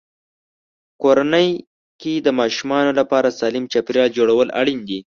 کورنۍ کې د ماشومانو لپاره سالم چاپېریال جوړول اړین دي.